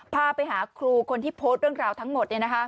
พาไปหาครูคนที่โพสต์เรื่องราวทั้งหมด